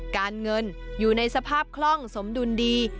การเงินอยู่ในสภาพคล่องสมดุลดี